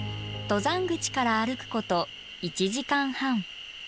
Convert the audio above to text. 登山口から歩くこと１時間半。